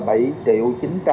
mũi hai là sáu